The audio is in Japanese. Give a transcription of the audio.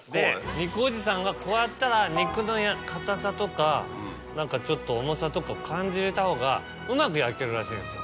肉おじさんがこうやったら肉の硬さとか何かちょっと重さとかを感じれたほうがうまく焼けるらしいんですよ。